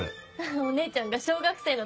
お姉ちゃんが小学生の時。